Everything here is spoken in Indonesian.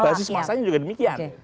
basis masanya juga demikian